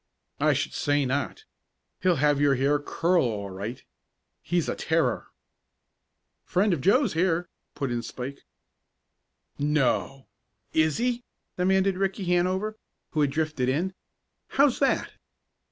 "I should say not. He'll make your hair curl all right. He's a terror." "Friend of Joe's here," put in Spike. "No! is he?" demanded Ricky Hanover, who had drifted in. "How's that?"